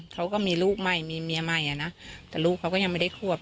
เขาก็มีลูกใหม่มีเมียใหม่อ่ะนะแต่ลูกเขาก็ยังไม่ได้ควบ